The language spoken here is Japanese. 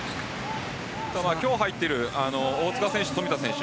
今日入っている大塚選手、富田選手